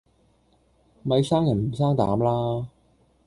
咪生人唔生膽啦